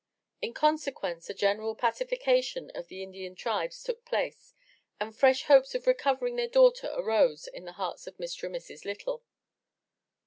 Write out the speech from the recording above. In consequence a general pacification of the Indian tribes took place and fresh hopes of recovering their daughter arose in the hearts of Mr. and Mrs. Lytle.